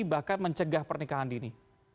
bahkan mencegah pernikahan dini